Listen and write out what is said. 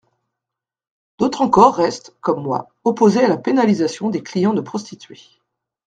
D’autres encore restent, comme moi, opposés à la pénalisation des clients de prostituées.